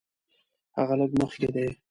هغه لږ مخکې دی.